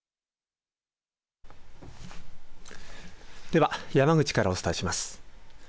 では、山口からお伝えします。